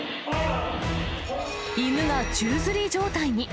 犬が宙づり状態に。